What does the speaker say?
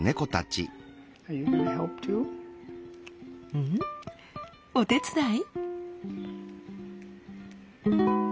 うん？お手伝い？